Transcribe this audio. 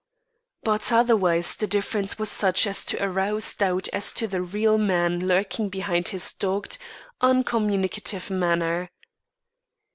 But otherwise the difference was such as to arouse doubt as to the real man lurking behind his dogged, uncommunicative manner.